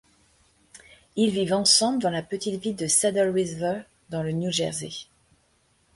Ils vivent ensemble dans la petite ville de Saddle River dans le New Jersey.